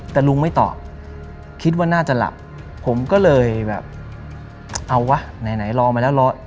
แต่ลุงไม่ตอบคิดว่าน่าจะหลับผมก็เลยแบบเอาวะไหนรอมาแล้วรอ